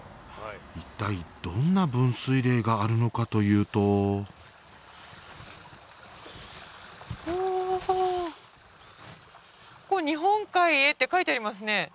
一体どんな分水嶺があるのかというとおおここ「日本海へ」って書いてありますね